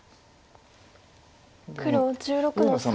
黒１６の三。